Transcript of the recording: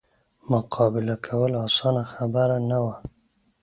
مقابله کول اسانه خبره نه وه.